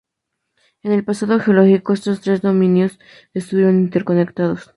En el pasado geológico estos tres Dominios estuvieron interconectados.